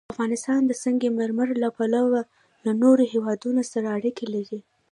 افغانستان د سنگ مرمر له پلوه له نورو هېوادونو سره اړیکې لري.